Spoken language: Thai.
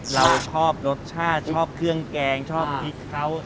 เราชอบรสชาติชอบเครื่องแกงชอบพริกเขา